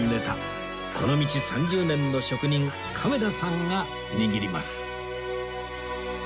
この道３０年の職人亀田さんが握ります